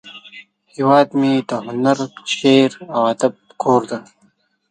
هیواد مې د هنر، شعر، او ادب کور دی